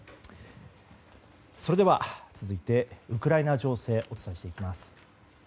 それでは、続いてウクライナ情勢をお伝えしていきます。